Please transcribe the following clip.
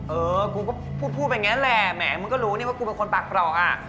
เออกูก็พูดอย่างนั้นแหละแหมมึงก็รู้นี่ว่ากูเป็นคนปากปลอกอ่ะ